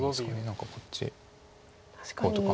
何かこっちこうとか。